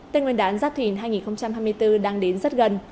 tên nguyên đán giáp thìn hai nghìn hai mươi bốn đang đến rất gần